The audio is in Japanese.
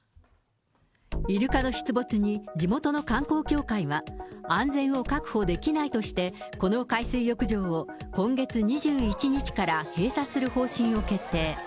イルカの出没に、地元の観光協会は、安全を確保できないとして、この海水浴場を今月２１日から閉鎖する方針を決定。